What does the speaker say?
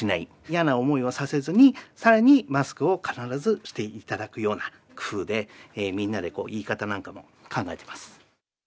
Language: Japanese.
嫌な思いをさせずに、さらにマスクを必ずしていただくような工夫で、みんなで言い方なんかも考えています。